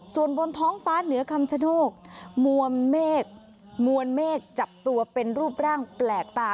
ส่วนบนท้องฟ้าเหนือคำชโนธมวลเมฆมวลเมฆจับตัวเป็นรูปร่างแปลกตา